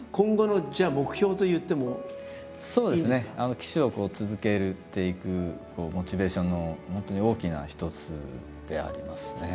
騎手を続けていくモチベーションの本当に大きな一つでありますね。